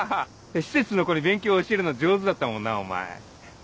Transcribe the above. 施設の子に勉強教えるの上手だったもんなお前。